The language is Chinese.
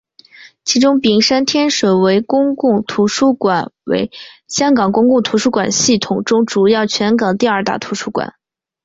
其中屏山天水围公共图书馆为香港公共图书馆系统中主要及全港第二大图书馆。